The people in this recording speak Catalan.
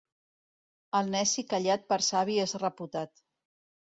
El neci callat per savi és reputat.